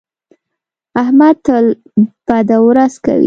احمد تل بده ورځ کوي.